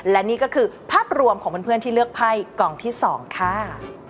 และนี่ก็คือภาพรวมของเพื่อนที่เลือกไพ่กล่องที่๒ค่ะ